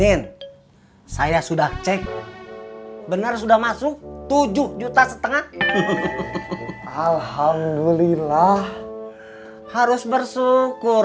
in saya sudah cek benar sudah masuk tujuh juta setengah alhamdulillah harus bersyukur